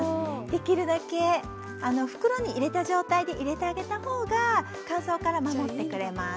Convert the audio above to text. できるだけ袋に入れた状態で入れてあげたほうが乾燥から守ってくれます。